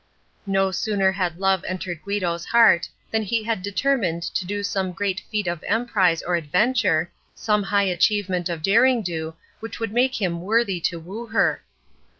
No sooner had love entered Guido's heart than he had determined to do some great feat of emprise or adventure, some high achievement of deringdo which should make him worthy to woo her.